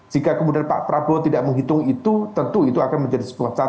jika kemudian pak prabowo tidak menghitung itu tentu itu akan menjadi sebuah catatan